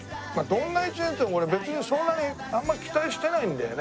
どんな１年って俺別にそんなにあんま期待してないんだよね。